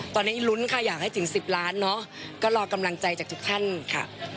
ตอนนี้ลุ้นค่ะอยากให้ถึง๑๐ล้านเนอะก็รอกำลังใจจากทุกท่านค่ะ